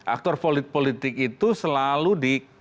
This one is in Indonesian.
aktor politik itu selalu di